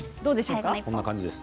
こんな感じです。